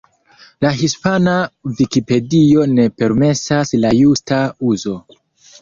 La Hispana Vikipedio ne permesas la justa uzo.